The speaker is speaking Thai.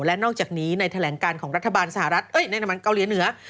และนอกจากนี้ในแถลงการของรัฐบาลสหรัฐในน้ำมันเกาหลีเหนือ